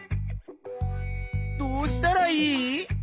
どうしたらいい？